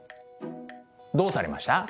どうされました？